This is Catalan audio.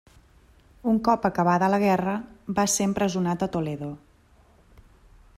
Un cop acabada la guerra va ser empresonat a Toledo.